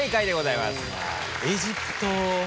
「エジプト」